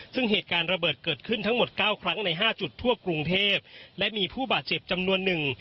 ซึ่งเหตุการณ์ระเบิดเกิดขึ้นทั้งหมดเก้าครั้งในห้าจุดทั่วกรุงเทพและมีผู้บาดเจ็บจำนวนหนึ่ง